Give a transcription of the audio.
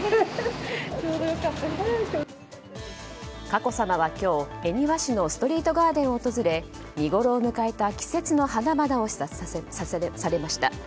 佳子さまは今日、恵庭市のストリートガーデンを訪れ見ごろを迎えた季節の花々を視察されました。